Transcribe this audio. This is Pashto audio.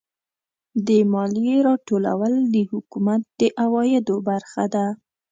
د مالیې راټولول د حکومت د عوایدو برخه ده.